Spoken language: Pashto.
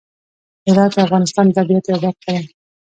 هرات د افغانستان د طبیعت یوه برخه ده.